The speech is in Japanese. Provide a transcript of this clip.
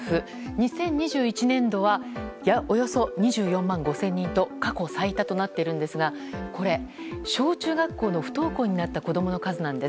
２０２１年度はおよそ２４万５０００人と過去最多となっているんですがこれ、小中学校の不登校になった子供の数なんです。